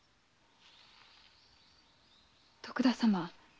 徳田様